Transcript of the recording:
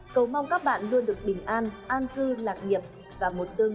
cầu mong các bạn luôn được bình an